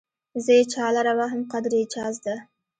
زه يې چالره وهم قدر يې چازده